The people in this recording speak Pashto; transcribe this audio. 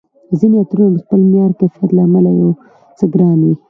ځیني عطرونه د خپل معیار، کیفیت له امله یو څه ګران وي